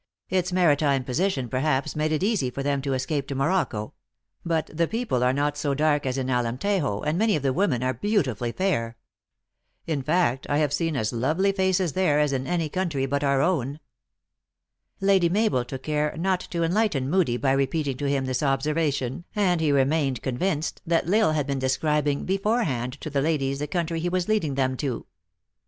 Its maritime position perhaps made it easy for them to escape to Morocco. But the people are not so dark as in Alemtejo, and many of the women are beautifully fair. In fact, I have seen as lovely faces there as in any country but our own." Lady Mabel took care not to enlighten Moodie by 10* 234 THE ACTRESS IN HIGH LIFE. repeating to him this observation, and he remained convinced that L Isle had been describing beforehand to the ladies the country he was leading them to.